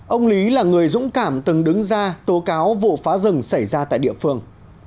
ông lý là người dũng cảm từng đứng ra tố cáo vụ phá rừng xảy ra tại địa phương